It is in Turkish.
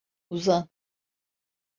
Uzan.